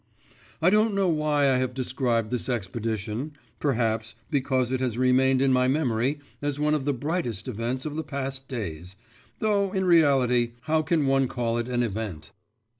I don't know why I have described this expedition perhaps, because it has remained in my memory as one of the brightest events of the past days, though, in reality, how can one call it an event?